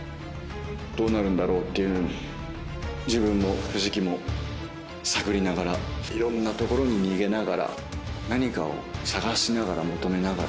どうなるんだろうって自分も藤木も探りながらいろんな所に逃げながら何かを探しながら求めながら。